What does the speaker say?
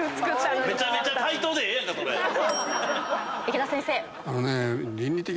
池田先生。